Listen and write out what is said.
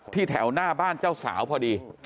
แถวหน้าบ้านเจ้าสาวพอดี